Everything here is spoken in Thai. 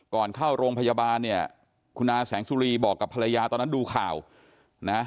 เข้าโรงพยาบาลเนี่ยคุณอาแสงสุรีบอกกับภรรยาตอนนั้นดูข่าวนะ